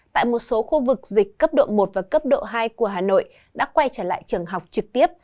tại một số khu vực dịch cấp độ một và cấp độ hai của hà nội đã quay trở lại trường học trực tiếp